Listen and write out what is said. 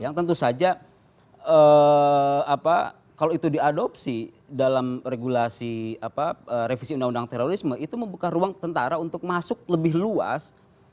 yang tentu saja kalau itu diadopsi dalam regulasi revisi undang undang terorisme itu membuka ruang tentara untuk masuk lebih luas